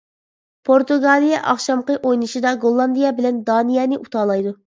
پورتۇگالىيە ئاخشامقى ئوينىشىدا گوللاندىيە بىلەن دانىيەنى ئۇتالايدۇ.